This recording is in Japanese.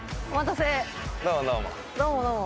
どうもどうも。